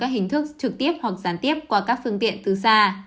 các hình thức trực tiếp hoặc gián tiếp qua các phương tiện từ xa